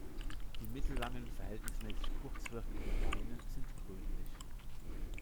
Die mittellangen, verhältnismäßig kurz wirkenden Beine sind grünlich.